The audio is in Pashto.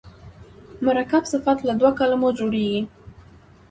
مرکب صفت له دوو کلمو جوړیږي.